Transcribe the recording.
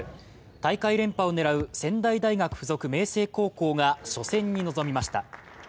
大会連覇を狙う仙台大学附属明成高校が初戦に臨みました。